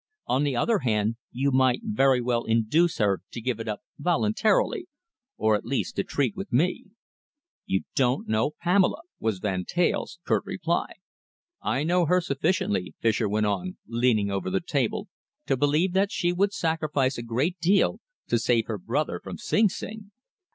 "On the other hand, you might very well induce her to give it up voluntarily, or at least to treat with me." "You don't know Pamela," was Van Teyl's curt reply. "I know her sufficiently," Fischer went on, leaning over the table, "to believe that she would sacrifice a great deal to save her brother from Sing Sing."